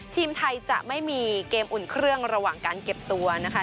ทีมไทยจะไม่มีเกมอุ่นเครื่องระหว่างการเก็บตัวนะคะ